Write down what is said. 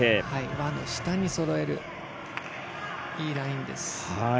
輪の下にそろえるいいラインです。